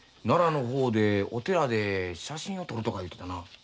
奈良の方でお寺で写真を撮るとか言うてたな。